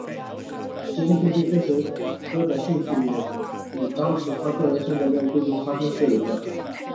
杰克逊对这首歌的兴趣也与当时他个人生活中最近发生的事有关。